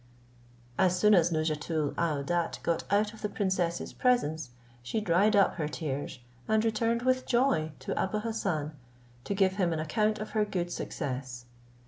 As soon as Nouzhatoul aouadat got out of the princess's presence, she dried up her tears, and returned with joy to Abou Hassan, to give him an account of her good success.